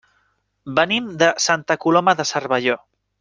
Venim de Santa Coloma de Cervelló.